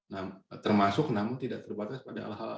nah termasuk namun tidak terbatas pada ala ala